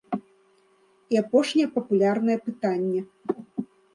І апошняе папулярнае пытанне.